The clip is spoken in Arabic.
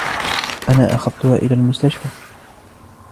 أنا أخذتها إلي المستشفي.